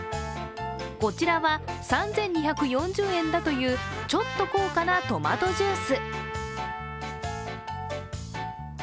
こちらは３２４０円だというちょっと高価なトマトジュース。